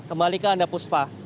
kembali ke anda puspa